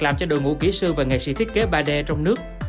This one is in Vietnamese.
làm cho đội ngũ kỹ sư và nghệ sĩ thiết kế ba d trong nước